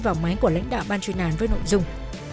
vào máy của lãnh đạo ban chơi nàn với nội dung